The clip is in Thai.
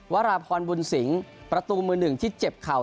ราพรบุญสิงศ์ประตูมือหนึ่งที่เจ็บเข่า